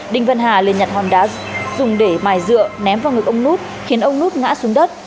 đinh văn hà liền nhặt hòn đá dùng để mài dựa ném vào ngực ông nút khiến ông nút ngã xuống đất